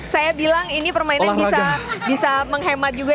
saya bilang ini permainan bisa menghemat juga